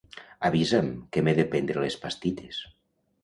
Avisa'm que m'he de prendre les pastilles.